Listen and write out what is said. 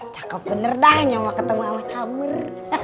cakep bener dah nyawa ketemu sama cumer